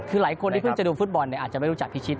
คือหลายคนที่เพิ่งจะดูฟุตบอลอาจจะไม่รู้จักพี่ก๊อกพีชิต